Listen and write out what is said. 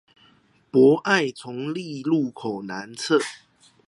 博愛重立路口南側